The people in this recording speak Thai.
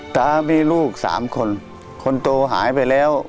ตามีลูกสามคนคนโตหายไปแล้ว